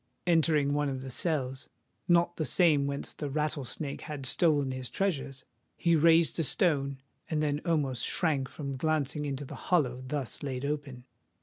Entering one of the cells,—not the same whence the Rattlesnake had stolen his treasure,—he raised a stone, and then almost shrank from glancing into the hollow thus laid open.